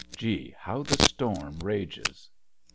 Gee, how the storm rages!